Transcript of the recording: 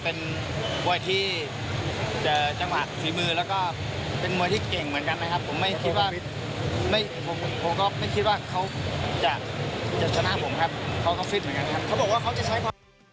ผมไม่คิดว่าเขาจะชนะผมครับเขาก็ฟิตเหมือนกันครับ